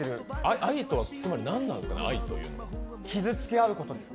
愛とはつまり何ですかね。